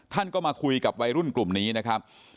ท่านก็มาคุยกับวัยรุ่นกลุ่มนี้นะครับ